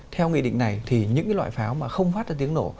theo nghị định này thì những loại pháo mà không phát ra tiếng nổ